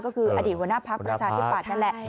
ก็คืออดีตหัวหน้าพรรคประชาทิพรรภาษณ์นั่นแหละ